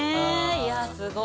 いやすごい！